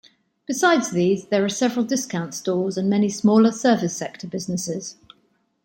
Besides these, there are several discount stores and many smaller service-sector businesses.